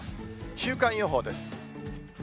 週間予報です。